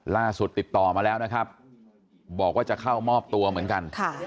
ติดต่อมาแล้วนะครับบอกว่าจะเข้ามอบตัวเหมือนกัน